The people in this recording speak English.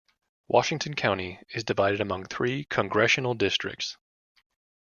Washington County is divided among three congressional districts.